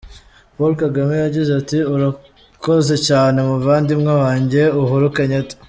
Paul Kagame yagize ati “Urakoze cyane muvandimwe wanjye Uhuru Kenyatta.